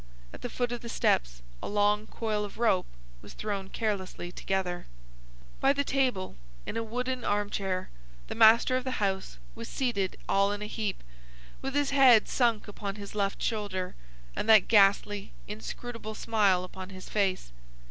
At the foot of the steps a long coil of rope was thrown carelessly together. By the table, in a wooden arm chair, the master of the house was seated all in a heap, with his head sunk upon his left shoulder, and that ghastly, inscrutable smile upon his face.